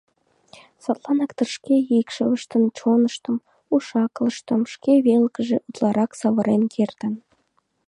Садланак дыр шке икшывыштын чоныштым, уш-акылыштым шке велкыже утларак савырен кертын.